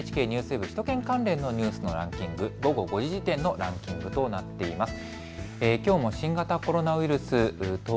首都圏関連のニュースのランキング、午後５時時点のランキングとなっています。